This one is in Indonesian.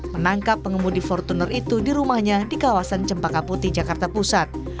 menangkap pengemudi fortuner itu di rumahnya di kawasan cempaka putih jakarta pusat